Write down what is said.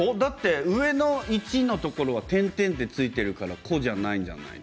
１のところには点々が入っているから「こ」じゃないんじゃないの？